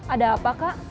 ada apa kak